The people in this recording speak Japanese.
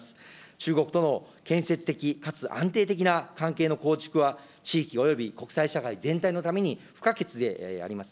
中国との建設的、かつ安定的な関係の構築は、地域および国際社会全体のために不可欠であります。